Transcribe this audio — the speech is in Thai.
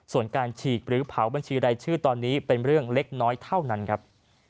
ส่วนการฉีกหรือเผาบัญชีรายชื่อตอนนี้เป็นเรื่องเล็กน้อยเท่านั้นครับ